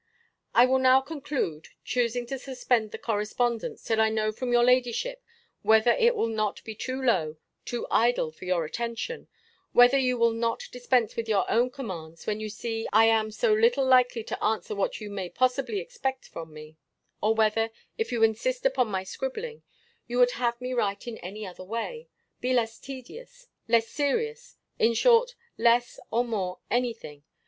I will now conclude, choosing to suspend the correspondence, till I know from your ladyship, whether it will not be too low, too idle for your attention; whether you will not dispense with your own commands when you see I am so little likely to answer what you may possibly expect from me: or whether, if you insist upon my scribbling, you would have me write in any other way, be less tedious, less serious in short, less or more any thing.